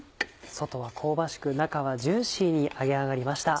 外は香ばしく中はジューシーに揚げ上がりました。